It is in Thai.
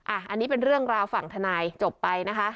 อันนี้เป็นเรื่องราวฝั่งทนายจบไปนะคะ